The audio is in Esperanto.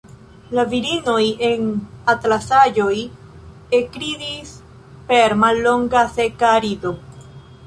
La virino en atlasaĵoj ekridis per mallonga, seka rido.